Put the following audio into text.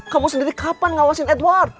kamu sendiri kapan ngawasin edward